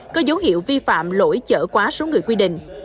có dấu hiệu vi phạm lỗi chở quá số người quy định